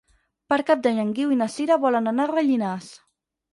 Per Cap d'Any en Guiu i na Sira volen anar a Rellinars.